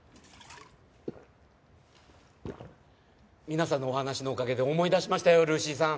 皆さんのお話のおかげで思い出しましたよルーシーさん。